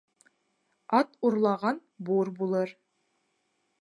Ат урлаған бур булыр